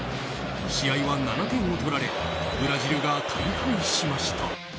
試合は７点を取られブラジルが大敗しました。